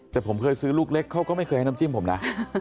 แต่ผมเคยซื้อลูกเล็กเขาก็ไม่เคยให้น้ำจิ้มผมนะ